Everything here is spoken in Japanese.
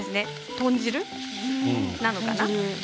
豚汁なのかな？